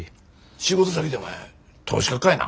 仕事先てお前投資家かいな？